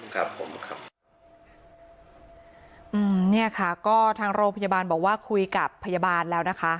ครับผมครับอืมเนี่ยค่ะก็ทางโรงพยาบาลบอกว่าคุยกับพยาบาลแล้วนะคะ